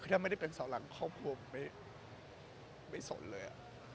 ถ้าไม่ได้เป็นเสาหลังครอบครัวผมไม่สนเลย